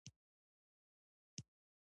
د بامیې ګل د څه لپاره وکاروم؟